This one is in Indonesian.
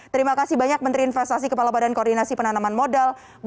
terima kasih banyak menteri investasi kepala badan koordinasi penanaman modal